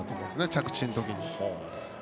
着地の時に。